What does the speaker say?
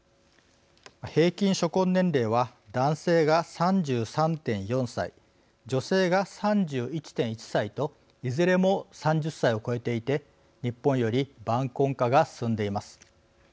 平均初婚年齢は男性が３３．４歳女性が３１．１歳といずれも３０歳を超えていて日本より晩婚化が進んでいます。